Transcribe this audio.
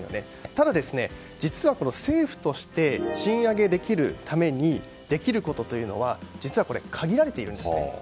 ただ、実は政府として賃上げできるためにできることというのは実は限られているんですね。